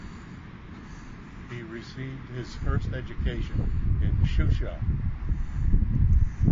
He received his first education in Shusha.